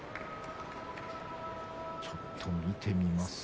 ちょっと見てみます。